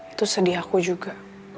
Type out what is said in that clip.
itu sedih aku juga